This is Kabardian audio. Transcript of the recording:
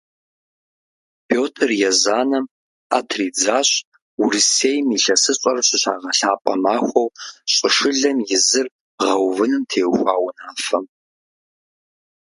Пётр Езанэм Ӏэ тридзащ Урысейм ИлъэсыщӀэр щыщагъэлъапӀэ махуэу щӀышылэм и зыр гъэувыным теухуа унафэм.